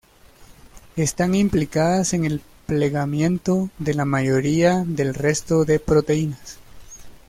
Están implicadas en el plegamiento de la mayoría del resto de proteínas.